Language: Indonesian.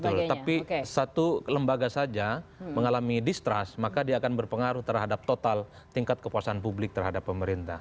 betul tapi satu lembaga saja mengalami distrust maka dia akan berpengaruh terhadap total tingkat kepuasan publik terhadap pemerintah